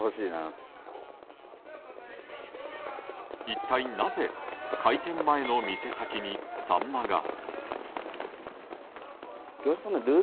一体なぜ開店前の店先にサンマが？